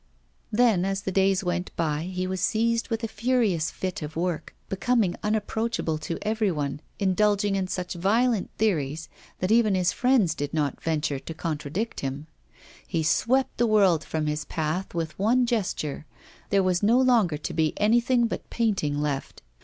Then, as the days went by, he was seized with a furious fit of work, becoming unapproachable to every one, indulging in such violent theories that even his friends did not venture to contradict him. He swept the world from his path with one gesture; there was no longer to be anything but painting left.